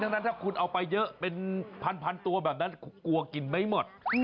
ดังนั้นถ้าคุณเอาไปเยอะเป็นพันตัวแบบนั้นกลัวกินไม่หมด